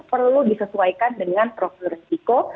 perlu disesuaikan dengan prokresiko